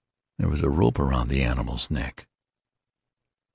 There was a rope about the animal's neck.